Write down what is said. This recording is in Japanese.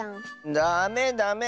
ダメダメ！